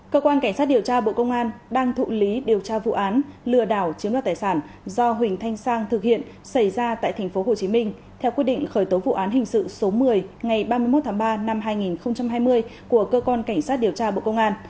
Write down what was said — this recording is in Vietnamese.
cơ quan cảnh sát điều tra bộ công an đang thụ lý điều tra vụ án lừa đảo chiếm đoạt tài sản do huỳnh thanh sang thực hiện xảy ra tại tp hcm theo quyết định khởi tố vụ án hình sự số một mươi ngày ba mươi một tháng ba năm hai nghìn hai mươi của cơ quan cảnh sát điều tra bộ công an